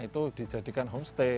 itu dijadikan homestay